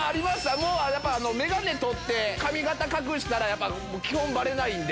もう眼鏡取って、髪形隠したら、やっぱ基本ばれないんで。